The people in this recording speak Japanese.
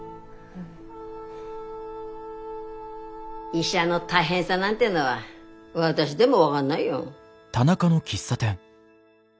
医者の大変さなんてのは私でも分がんないよ。